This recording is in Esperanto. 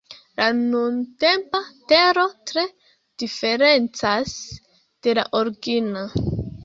La nuntempa Tero tre diferencas de la origina.